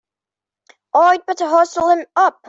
I'd better hustle him up!